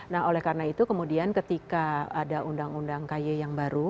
nah oleh karena itu kemudian ketika ada undang undang ky yang baru